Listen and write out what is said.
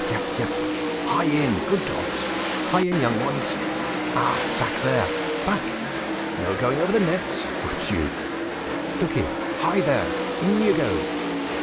yap! yap! "Hie in, good dogs! hie in, young ones! Ah! back there! back! no going over the nets! Would you? Look here! hie there! in you go!"